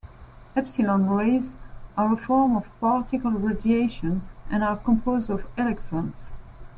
Epsilon rays are a form of particle radiation and are composed of electrons.